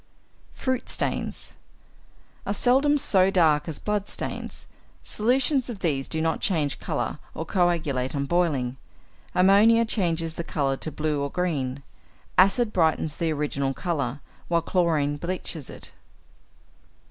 =Fruit Stains= are seldom so dark as blood stains. Solutions of these do not change colour or coagulate on boiling; ammonia changes the colour to blue or green; acid brightens the original colour, while chlorine bleaches it.